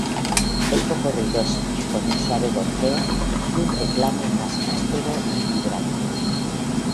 Es poco ruidosa, con un suave gorjeo y un reclamo más áspero y vibrante.